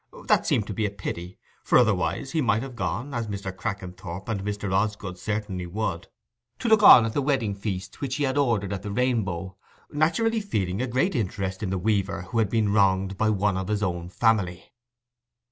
That seemed to be a pity, for otherwise he might have gone, as Mr. Crackenthorp and Mr. Osgood certainly would, to look on at the wedding feast which he had ordered at the Rainbow, naturally feeling a great interest in the weaver who had been wronged by one of his own family.